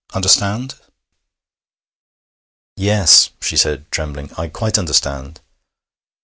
Understand?' 'Yes,' she said, trembling. 'I quite understand.'